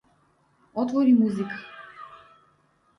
Отвори Музика.